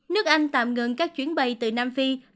nước anh tạm ngừng các chuyến bay từ nam phi